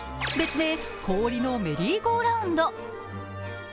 別名、氷のメリーゴーラウンド。